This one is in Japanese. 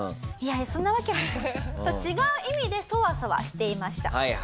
いやいやそんなわけないか」と違う意味でソワソワしていました。